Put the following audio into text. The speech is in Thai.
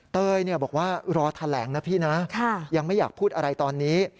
เตยบอกว่ารอแถลงนะพี่นะยังไม่อยากพูดอะไรตอนนี้